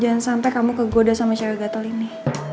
jangan sampai kamu kegoda sama cewek gatel ini